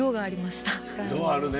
色あるね。